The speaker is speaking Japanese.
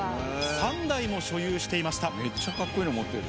３台も所有していました。